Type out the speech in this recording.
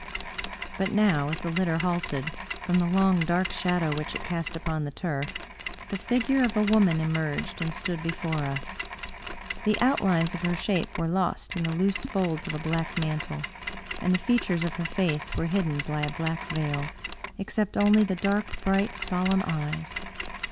But now, as the litter halted, from the long, dark shadow which it cast upon the turf, the figure of a woman emerged and stood before us. The outlines of her shape were lost in the loose folds of a black mantle, and the features of her face were hidden by a black veil, except only the dark bright, solemn eyes.